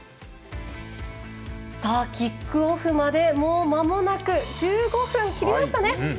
キックオフまでもうまもなく１５分を切りました。